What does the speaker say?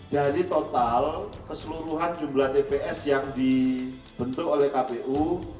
jadi total keseluruhan jumlah tps yang dibentuk oleh kpu